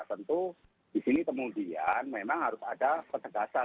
tentu di sini kemudian memang harus ada penegasan